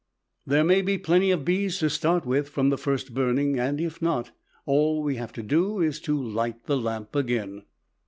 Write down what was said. There may be plenty of bees to start with from the first burning and if not, all we have to do is to light the lamp again.